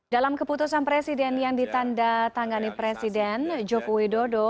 dalam keputusan presiden yang ditanda tangani presiden joko widodo